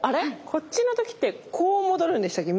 こっちの時ってこう戻るんでしたっけ？